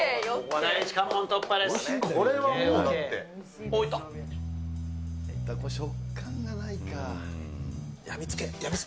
第一関門突破です。